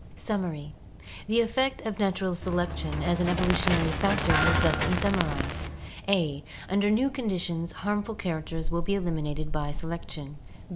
Summary. — The effect of natural selection as an evolutionary factor has thus been summarized: a. Under new conditions harmful characters will be eliminated by selection.